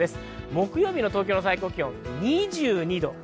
木曜日の東京の最高気温は２２度。